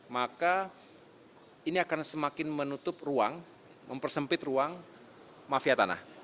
maka ini akan semakin menutup ruang mempersempit ruang mafia tanah